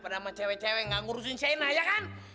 padahal cye cwe gak ngerusin shaina ya kan